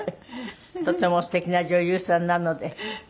とても素敵な女優さんなので。